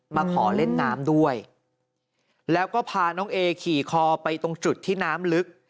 มาขอเล่นน้ำด้วยแล้วก็พาน้องเอขี่คอไปตรงจุดที่น้ำลึก